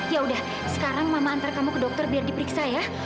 ya udah sekarang mama antar kamu ke dokter biar diperiksa ya